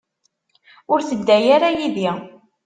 Ur tedda ara yid-i.